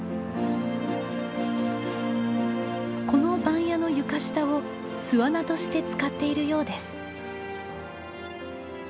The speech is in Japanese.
この番屋の床下を巣穴として使っているようです。